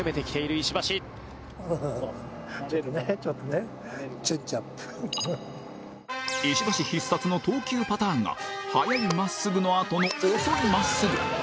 石橋必殺の投球パターンが速い真っすぐのあとの遅い真っすぐ